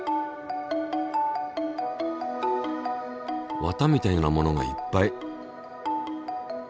綿みたいなものがいっぱい。